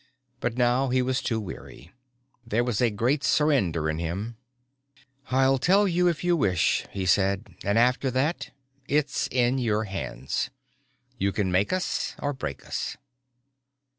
But now he was too weary. There was a great surrender in him. "I'll tell you if you wish," he said, "and after that it's in your hands. You can make us or break us."